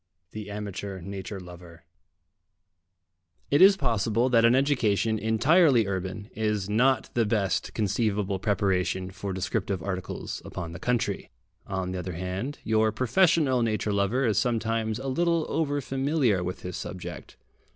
THE AMATEUR NATURE LOVER It is possible that an education entirely urban is not the best conceivable preparation for descriptive articles upon the country. On the other hand, your professional nature lover is sometimes a little over familiar with his subject.